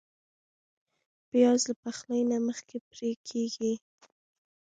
پیاز له پخلي نه مخکې پرې کېږي